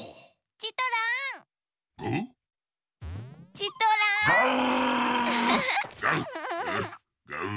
チトラン！